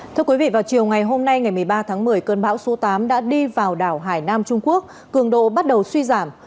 thưa quý vị vào chiều ngày hôm nay ngày một mươi ba tháng một mươi cơn bão số tám đã đi vào đảo hải nam trung quốc cường độ bắt đầu suy giảm